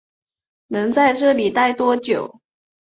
能在这里待多久